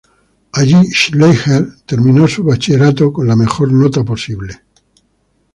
Allí Schleicher terminó su bachillerato con la mejor nota posible.